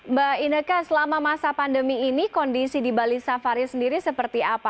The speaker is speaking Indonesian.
mbak ineka selama masa pandemi ini kondisi di bali safari sendiri seperti apa